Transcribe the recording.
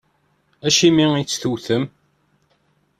Acimi i tt-tewwtem?